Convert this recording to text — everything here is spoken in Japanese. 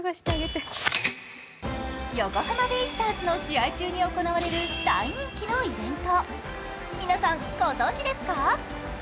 横浜ベイスターズの試合中に行われる大人気のイベント、皆さん、ご存じですか？